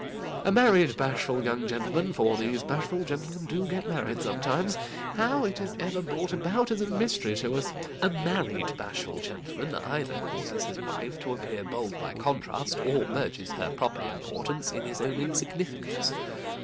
A married bashful gentleman—for these bashful gentlemen do get married sometimes; how it is ever brought about, is a mystery to us—a married bashful gentleman either causes his wife to appear bold by contrast, or merges her proper importance in his own insignificance.